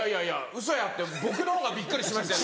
「ウソや」って僕のほうがびっくりしましたよ